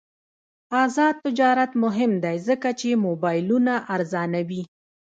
آزاد تجارت مهم دی ځکه چې موبایلونه ارزانوي.